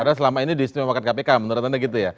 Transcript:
padahal selama ini di istimewa kpk menurut anda gitu ya